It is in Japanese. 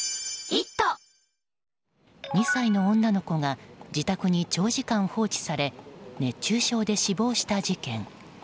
２歳の女の子が自宅に長時間放置され熱中症で死亡した事件。